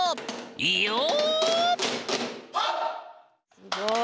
すごい！